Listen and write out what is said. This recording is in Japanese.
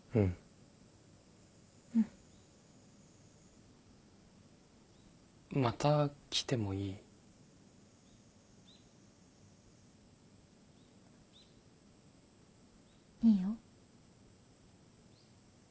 うん。また来てもいい？いいよ。